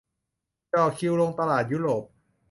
จ่อคิวลงตลาดยุโรป